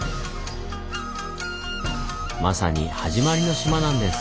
まさに「はじまりの島」なんです。